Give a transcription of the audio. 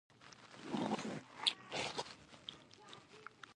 آیا د ماشومانو لپاره کارتونونه نه جوړوي؟